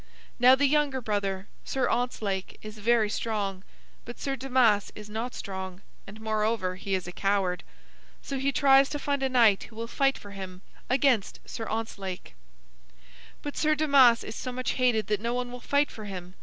Now the younger brother, Sir Ontzlake, is very strong, but Sir Damas is not strong, and moreover, he is a coward. So he tries to find a knight who will fight for him against Sir Ontzlake. "But Sir Damas is so much hated that no one will fight for him.